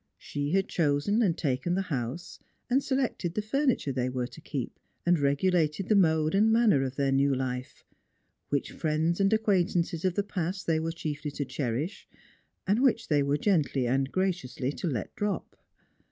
She had chosen and taken the house, and selected the furniture they were to keep ; and regulated the mode and man ner of their new life, which friends and acquaintances of the past they were chiefly to cherish, and which they were gently and graciously to let drop.